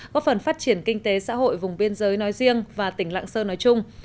góp phần phát triển kinh tế xã hội vùng biên giới nói riêng và tỉnh lạng sơn nói chung